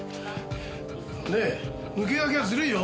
ねえ抜け駆けはずるいよ！